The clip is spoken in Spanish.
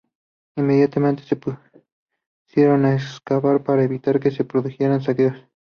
Inmediatamente se pusieron a excavar para evitar que se produjeran saqueos.